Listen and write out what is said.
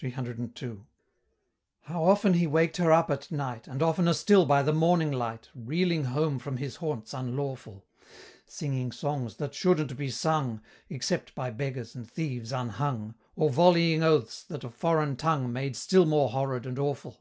CCCII. How often he waked her up at night, And oftener still by the morning light, Reeling home from his haunts unlawful; Singing songs that shouldn't be sung, Except by beggars and thieves unhung Or volleying oaths, that a foreign tongue Made still more horrid and awful!